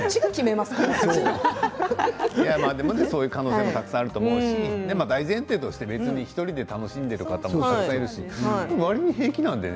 まだそういう可能性もたくさんあるかもしれないし大前提として１人で楽しんでる方もたくさんいるしわりに平気なんだよね